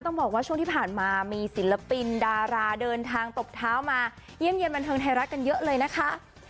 ต้องบอกว่าช่วงที่ผ่านมามีศิลปินดาราเดินทางตบเท้ามาเยี่ยมเยี่ยมบันเทิงไทยรัฐกันเยอะเลยนะคะ